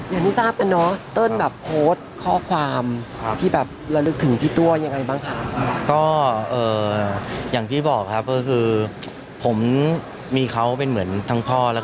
อย่างที่ทราบกันเนอะเติ้ลแบบโพสต์ข้อความที่แบบระลึกถึงพี่ตัวยังไงบ้างคะ